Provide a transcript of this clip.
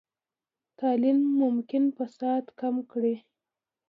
تعلیم ممکن فساد کم کړي.